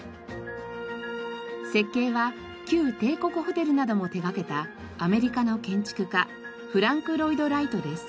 設計は旧帝国ホテルなども手がけたアメリカの建築家フランク・ロイド・ライトです。